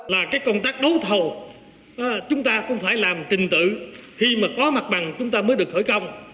là cái công tác đấu thầu chúng ta cũng phải làm trình tự khi mà có mặt bằng chúng ta mới được khởi công